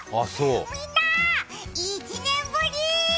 みんなー、１年ぶり。